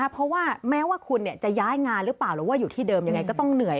เพราะว่าแม้ว่าคุณจะย้ายงานหรือเปล่าหรือว่าอยู่ที่เดิมยังไงก็ต้องเหนื่อย